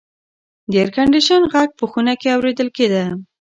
د اېرکنډیشن غږ په خونه کې اورېدل کېده.